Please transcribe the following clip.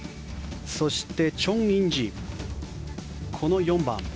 そして、チョン・インジこの４番。